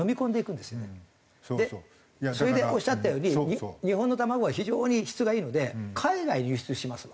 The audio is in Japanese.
でそれでおっしゃったように日本の卵は非常に質がいいので海外に輸出しますわ。